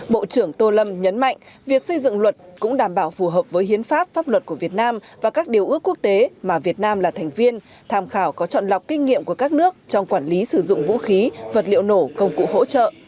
bộ trưởng tô lâm nhấn mạnh việc xây dựng luật cũng đảm bảo phù hợp với hiến pháp pháp luật của việt nam và các điều ước quốc tế mà việt nam là thành viên tham khảo có trọn lọc kinh nghiệm của các nước trong quản lý sử dụng vũ khí vật liệu nổ công cụ hỗ trợ